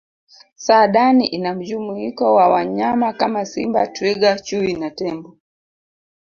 saadani ina mjumuiko wa wanyama Kama simba twiga chui na tembo